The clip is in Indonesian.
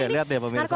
lihat deh pemirsa